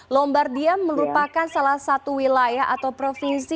lombardia merupakan salah satu wilayah atau provinsi